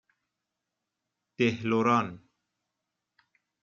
دهلران